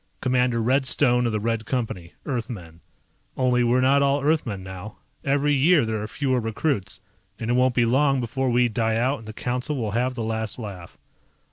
Commander Red Stone of the Red Company, Earthmen. Only we're not all Earthmen now, every year there are fewer recruits, and it won't be long before we die out and the Council will have the last laugh.